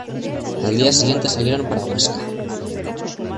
Al día siguiente salieron para Huesca.